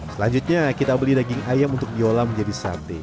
selanjutnya kita beli daging ayam untuk diolam jadi sate